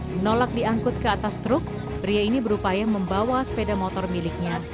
menolak diangkut ke atas truk pria ini berupaya membawa sepeda motor miliknya